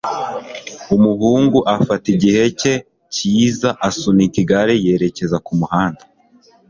Umuhungu afata igihe cye cyiza asunika igare yerekeza kumuhanda.